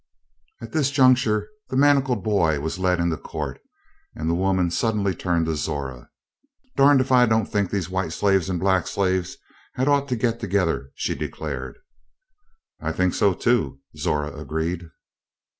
At this juncture the manacled boy was led into court, and the woman suddenly turned again to Zora. "Durned if I don't think these white slaves and black slaves had ought ter git together," she declared. "I think so, too," Zora agreed.